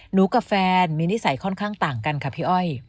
กับแฟนมีนิสัยค่อนข้างต่างกันค่ะพี่อ้อย